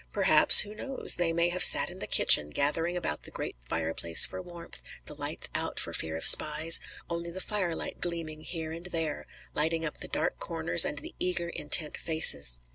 Perhaps who knows? they may have sat in the kitchen, gathering about the great fireplace for warmth; the lights out, for fear of spies, only the firelight gleaming here and there, lighting up the dark corners and the eager, intent faces.